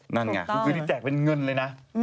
นั่นไงคือที่แจกเป็นเงินเลยนะ